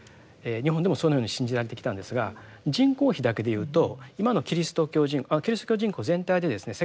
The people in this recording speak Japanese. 日本でもそのように信じられてきたんですが人口比だけでいうと今のキリスト教人口全体でですね